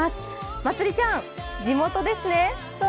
まつりちゃん、地元ですね。